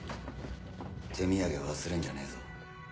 手土産忘れんじゃねえぞ。